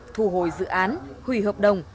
thu hồi dự án hủy hợp đồng